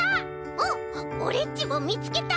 「あっオレっちもみつけた！